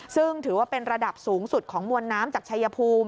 ซึ่งถือว่าเป็นระดับสูงสุดของมวลน้ำจากชายภูมิ